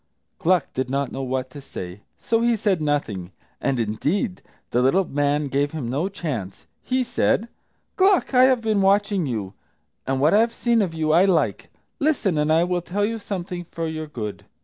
Gluck did not know what to say, so he said nothing; and, indeed, the little man gave him no chance. He said, "Gluck, I have been watching you, and what I have seen of you, I like. Listen, and I will tell you something for your good.